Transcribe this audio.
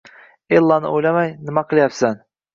Ellani o`ylamay, nima qilyapman